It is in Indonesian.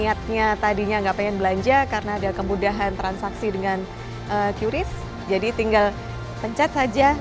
untuk indonesia kita sudah mempercepat sistem digital nasional ekonomi dan finansial kita